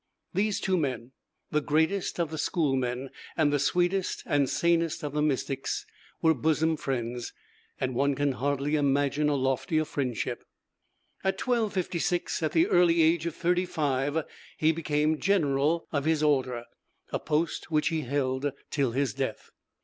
These two men, the greatest of the schoolmen, and the sweetest and sanest of the mystics, were bosom friends; and one can hardly imagine a loftier friendship. In 1256, at the early age of thirty five, he became general of his order, a post which he held till his death.